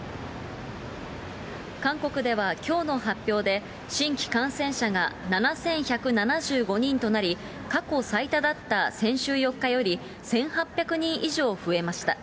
韓国では、きょうの発表で、新規感染者が７１７５人となり、過去最多だった先週４日より１８００人以上増えました。